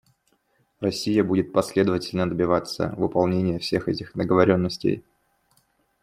Россия будет последовательно добиваться выполнения всех этих договоренностей.